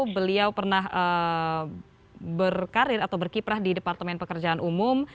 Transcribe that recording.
beliau pernah berkarir atau berkiprah di departemen pekerjaan umum